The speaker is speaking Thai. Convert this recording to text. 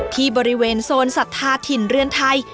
ที่บริเวณโซนศรัทธาถิ่นเรือนไทย